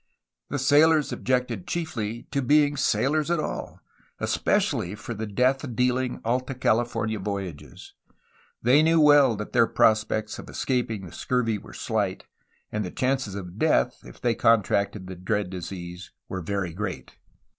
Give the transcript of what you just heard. The sailors objected chiefly to being sailors at all, especially for the death dealing Alta CaHfornia voyages. They knew well that their prospects of escaping the scurvy were slight, and the chances of death, if they contracted the dread disease, were very great.